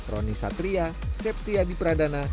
roni satria septia di pradana